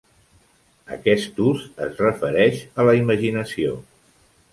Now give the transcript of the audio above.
Aquest ús es refereix a la imaginació.